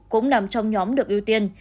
cũng nằm trong nhóm được ưu tiên